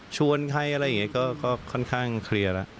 ชวนใครอะไรอย่างนี้ก็ค่อนข้างเคลียร์แล้ว